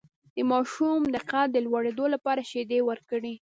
د ماشوم د قد د لوړیدو لپاره شیدې ورکړئ